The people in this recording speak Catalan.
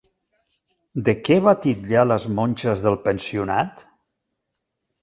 De què va titllar les monges del pensionat?